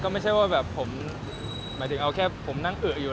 ไม่ใช่แบบผมออกแค่นั้นถืออยู่